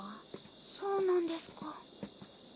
そうなんですか。